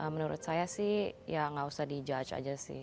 menurut saya sih ya nggak usah di judge aja sih